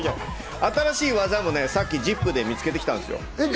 新しい技もさっき『ＺＩＰ！』で見つけてきたんですよ。